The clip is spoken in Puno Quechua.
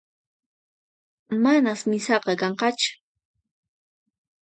Manas misaqa kanqachu